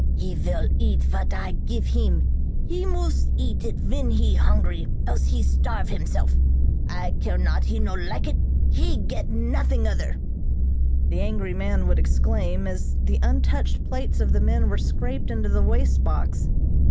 "He vill eat vat I gif heem. He moose eat it ven he hoongry, else he starve himsel'. I care not he no like it, he get nothing other!" the angry man would exclaim, as the untouched plates of the men were scraped into the waste box.